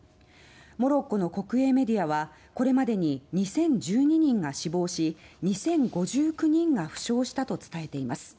モロッコの国営メディアはこれまでに２０１２人が死亡し２０５９人が負傷したと伝えています。